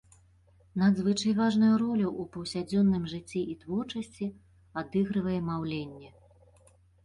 Надзвычай важную ролю ў паўсядзённым жыцці і творчасці адыгрывае маўленне.